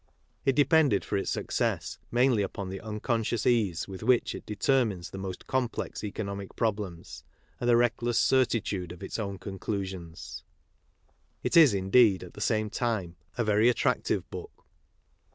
It depended for its success mainly upon the unconscious ease with which it determines the most complex economic problems, and the reckless certitude of its own conclusions. It is, indeed, at the same time, a very attractive book.